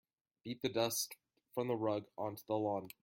Beat the dust from the rug onto the lawn.